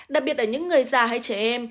đặc biệt là những người già hay trẻ em